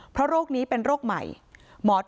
เพราะโรคนี้เป็นโรคใหม่หมอ